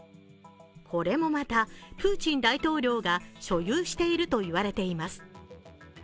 ここれもまたプーチン大統領が所有しているといわれています。